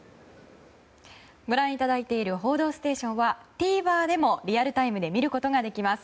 ご覧いただいている「報道ステーション」はＴＶｅｒでもリアルタイムで見ることができます。